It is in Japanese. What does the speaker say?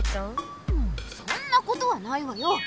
そんなことはないわよ。